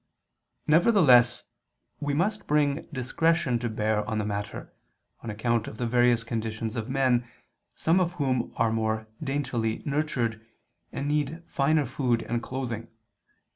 Nevertheless we must bring discretion to bear on the matter, on account of the various conditions of men, some of whom are more daintily nurtured, and need finer food and clothing.